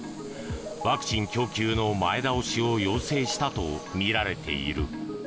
ワクチン供給の前倒しを要請したとみられている。